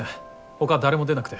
ほか誰も出なくて。